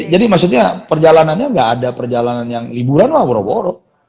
jadi maksudnya perjalanannya enggak ada perjalanan yang liburan lah